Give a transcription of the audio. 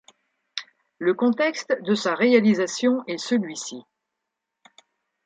Le contexte de sa réalisation est celui-ci.